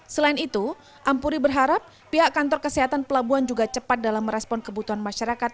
selain itu ampuri berharap pihak kantor kesehatan pelabuhan juga cepat dalam merespon kebutuhan masyarakat